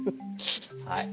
はい。